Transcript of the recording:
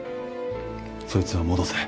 そいつは戻せ